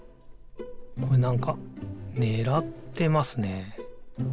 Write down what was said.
これなんかねらってますね。